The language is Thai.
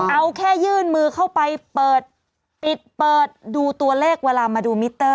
เอาแค่ยื่นมือเข้าไปเปิดปิดเปิดดูตัวเลขเวลามาดูมิเตอร์